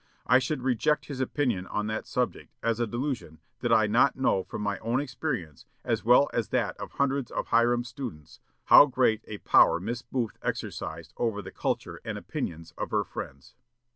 I should reject his opinion on that subject, as a delusion, did I not know from my own experience, as well as that of hundreds of Hiram students, how great a power Miss Booth exercised over the culture and opinions of her friends."